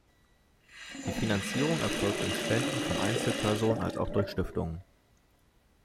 Die Finanzierung erfolgt durch Spenden von Einzelpersonen als auch durch Stiftungen.